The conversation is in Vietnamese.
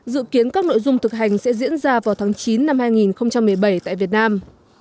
dự kiến các nội dung thực hành sẽ diễn ra vào tháng chín năm hai nghìn một mươi bảy tại việt nam